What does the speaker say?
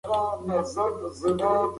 دغه کتاب ډېر ښه معلومات لري.